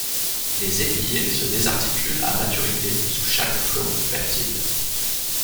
Les épillets se désarticulent à maturité sous chaque fleuron fertile.